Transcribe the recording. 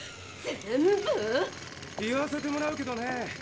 全部⁉言わせてもらうけどね